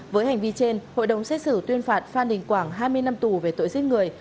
với hành vi trên hội đồng xét xử tuyên phạt phan đình quảng hai mươi năm tù về tội giết người